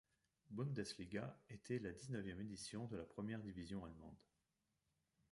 Bundesliga était la dix-neuvième édition de la première division allemande.